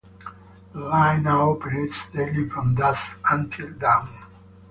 The light now operates daily from dusk until dawn.